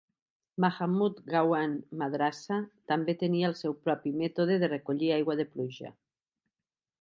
Mahamood Gawan Madrasa també tenia el seu propi mètode de recollir aigua de pluja.